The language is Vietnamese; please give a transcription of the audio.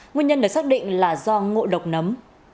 nguyên nhân được xác định là do ngộ độc nấm